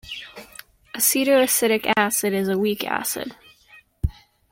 Acetoacetic acid is a weak acid.